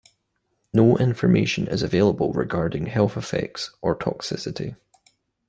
No information is available regarding health effects or toxicity.